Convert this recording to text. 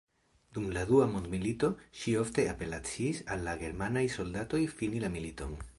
Dum la Dua Mondmilito ŝi ofte apelaciis al la germanaj soldatoj fini la militon.